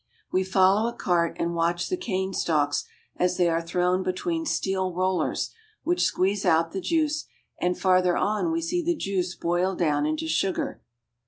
We follow a cart and watch the cane stalks as they are thrown between steel rollers which squeeze out the juice, and farther on we see the juice boiled down into sugar.